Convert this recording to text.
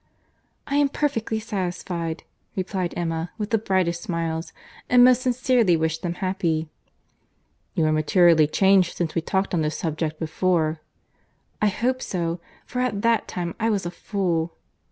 "I am perfectly satisfied," replied Emma, with the brightest smiles, "and most sincerely wish them happy." "You are materially changed since we talked on this subject before." "I hope so—for at that time I was a fool."